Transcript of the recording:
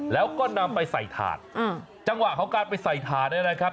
แล้วก็นำไปใส่ถาดจังหวะของการไปใส่ถาดเนี่ยนะครับ